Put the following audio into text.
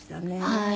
はい。